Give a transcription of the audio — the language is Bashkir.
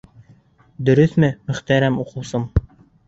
Дөрөҫмө, мөхтәрәм уҡыусым?..